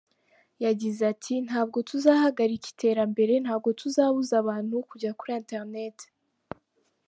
Yagize ati “Ntabwo tuzahagarika iterambere, ntabwo tuzabuza abantu kujya kuri internet.